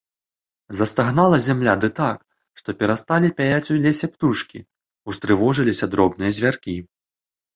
Застагнала зямля, ды так, што перасталі пяяць у лесе птушкі, устрывожыліся дробныя звяркі.